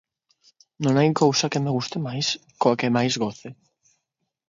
Non hai cousa que me guste máis, coa que máis goce.